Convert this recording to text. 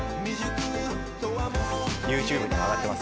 ＹｏｕＴｕｂｅに上がってます。